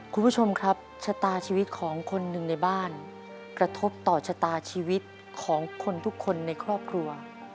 คุณผู้ชมครับชะตาชีวิตของคนหนึ่งในบ้านกระทบต่อชะตาชีวิตของคนทุกคนในครอบครัว